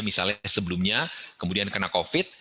misalnya sebelumnya kemudian kena covid